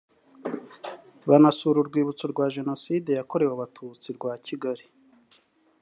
banasura urwibutso rwa Jenoside yakorewe Abatutsi rwa Kigali